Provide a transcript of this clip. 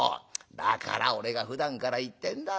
だから俺がふだんから言ってんだろう。